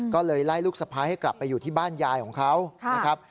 ก็เลยไล่ลูกสะพ้ายให้กลับไปอยู่ที่บ้านยายของเขานะครับ